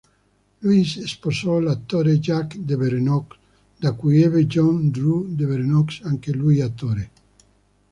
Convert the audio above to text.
Louise sposò l'attore Jack Devereaux da cui ebbe John Drew Devereaux, anche lui attore.